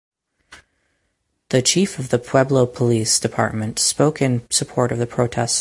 The chief of the Pueblo Police Department spoke in support of the protest.